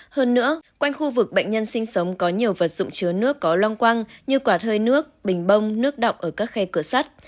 hơn nữa quanh khu vực bệnh nhân sinh sống có nhiều vật dụng chứa nước có loang quăng như quạt hơi nước bình bông nước đọng ở các khe cửa sắt